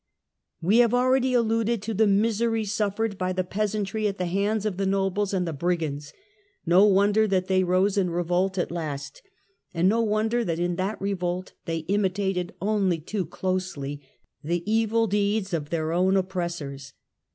AVe have already alluded to the miseries suffered by the peasantry at the hands of the nobles and the brigands ; no wonder that they rose in revolt at last, and no wonder that in that revolt, they imitated only too closely the evil deeds of their own oppressors.